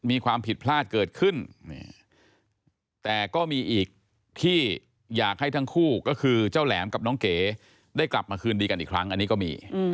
อีกที่อยากให้ทั้งคู่ก็คือเจ้าแหลมกับน้องเก๋ได้กลับมาคืนดีกันอีกครั้งอันนี้ก็มี